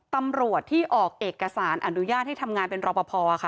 ตำรวจที่ออกเอกสารอนุญาตให้ทำงานเป็นรอปภค่ะ